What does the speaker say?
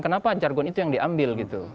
kenapa jargon itu yang diambil gitu